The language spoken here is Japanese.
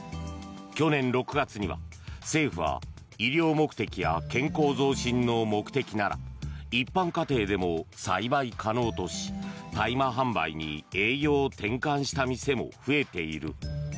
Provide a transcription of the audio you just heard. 去年６月には、政府は医療目的や健康増進の目的なら一般家庭でも栽培可能とし大麻販売に営業を転換した店も増えている。